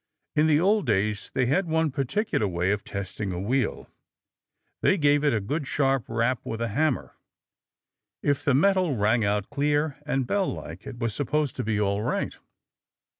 In the old days, they had one particular way of testing a wheel. They gave it a good sharp rap with a hammer. If the metal rang out clear and bell like, it was supposed to be all right.